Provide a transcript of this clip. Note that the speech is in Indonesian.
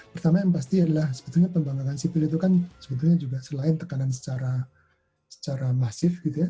pertama yang pasti adalah sebetulnya pembanggaan sipil itu kan sebetulnya juga selain tekanan secara masif gitu ya